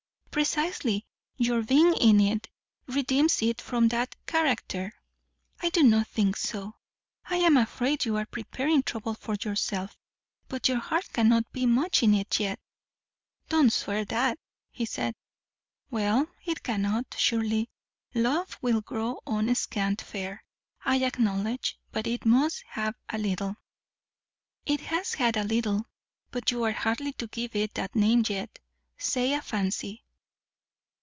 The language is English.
"Precisely; your being in it redeems it from that character." "I do not think so. I am afraid you are preparing trouble for yourself; but your heart cannot be much in it yet!" "Don't swear that," he said. "Well, it cannot, surely. Love will grow on scant fare, I acknowledge; but it must have a little." "It has had a little. But you are hardly to give it that name yet. Say, a fancy."